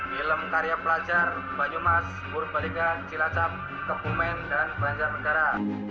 film karya pelajar banyumas purbalingga cilacap kebumen dan pelajar negara